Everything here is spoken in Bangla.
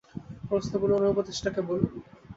প্রশ্নগুলো ওনার উপদেষ্টাকে বলুন।